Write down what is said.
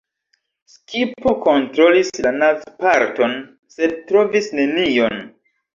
Skipo kontrolis la naz-parton, sed trovis nenion.